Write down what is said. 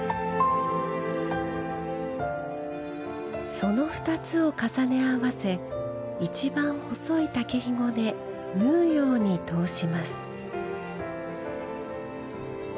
その２つを重ね合わせ一番細い竹ひごで縫うように通します。